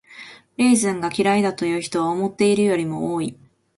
レーズンが嫌いだという人は思っているよりも多い。